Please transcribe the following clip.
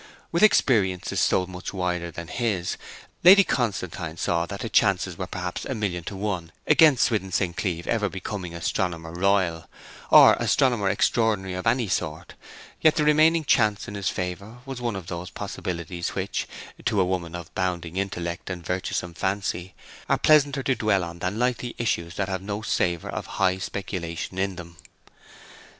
With experiences so much wider than his, Lady Constantine saw that the chances were perhaps a million to one against Swithin St. Cleeve ever being Astronomer Royal, or Astronomer Extraordinary of any sort; yet the remaining chance in his favour was one of those possibilities which, to a woman of bounding intellect and venturesome fancy, are pleasanter to dwell on than likely issues that have no savour of high speculation in them.